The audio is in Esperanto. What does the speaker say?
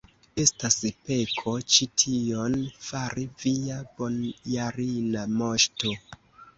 estas peko ĉi tion fari, via bojarina moŝto!